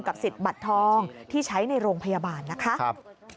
สิทธิ์บัตรทองที่ใช้ในโรงพยาบาลนะคะ